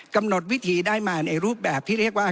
กำหนดวิธีได้มาในรูปแบบที่เรียกว่า